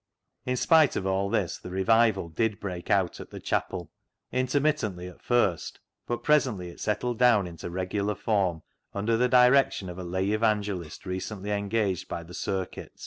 In spite of all this, the revival did break out at the chapel, intermittently at first, but presently it settled down into regular form, under the direction of a lay evangelist recently engaged by the circuit.